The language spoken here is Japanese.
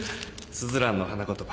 すずらんの花言葉。